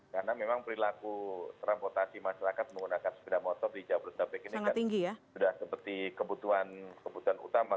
karena memang perilaku transportasi masyarakat menggunakan sepeda motor di jabodetabek ini sudah seperti kebutuhan utama